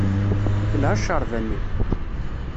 Telha cceṛba-nni?